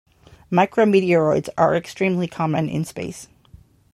Micrometeoroids are extremely common in space.